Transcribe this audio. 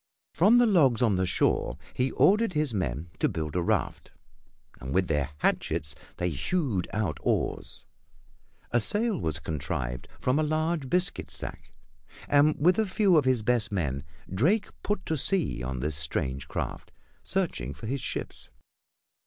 From the logs on the shore he ordered his men to build a raft, and with their hatchets they hewed out oars. A sail was contrived from a large biscuit sack, and with a few of his best men Drake put to sea on this strange craft, searching for his ships.